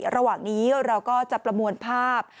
ระหว่างนี้เราก็จะประมวลภาพ